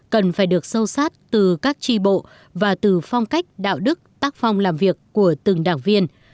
cần phải được sâu sát từ các tri bộ và từ phong cách đạo đức tác phong làm việc của từng đảng viên